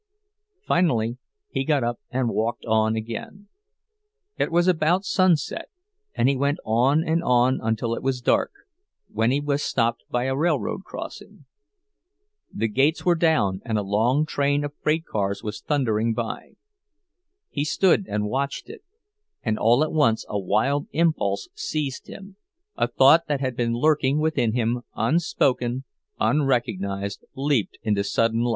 _" Finally, he got up and walked on again. It was about sunset, and he went on and on until it was dark, when he was stopped by a railroad crossing. The gates were down, and a long train of freight cars was thundering by. He stood and watched it; and all at once a wild impulse seized him, a thought that had been lurking within him, unspoken, unrecognized, leaped into sudden life.